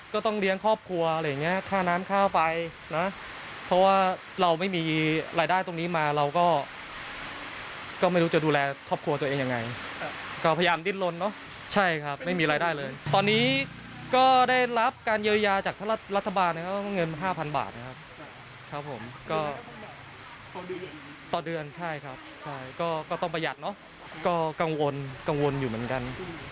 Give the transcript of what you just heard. ก็ต้องประหยัดเนอะก็กังวลอยู่เหมือนกัน